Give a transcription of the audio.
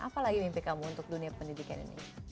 apalagi mimpi kamu untuk dunia pendidikan ini